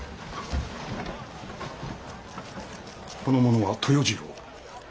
この者は豊治郎。